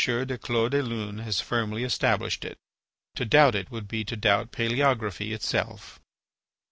du Clos des Lunes has firmly established it. To doubt it would be to doubt palaeography itself.